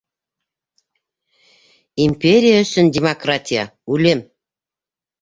Империя өсөн демократия - үлем!